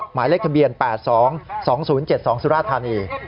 หมายเลขทะเบียน๘๒๒๐๗๒สุราธานี